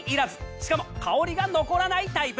しかも香りが残らないタイプ。